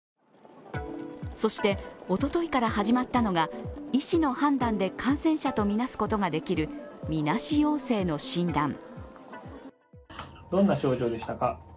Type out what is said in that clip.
そして、おとといから始まったのが医師の判断で感染者とみなすことができるみなし陽性の診断。